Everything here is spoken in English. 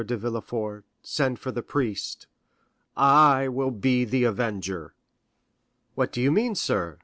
de Villefort, send for the priest; I will be the avenger." "What do you mean, sir?"